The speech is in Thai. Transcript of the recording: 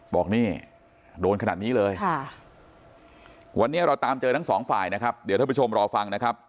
บอกนี่โดนขนาดนี้เลยวันนี้เราตามเจอทั้งสองฝ่ายนะครับเดี๋ยวท่านผู้ชมรอฟังนะครับ